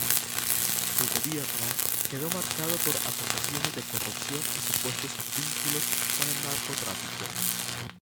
Su gobierno quedó marcado por acusaciones de corrupción y supuestos vínculos con el narcotráfico.